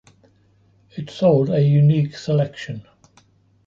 It sold a unique selection.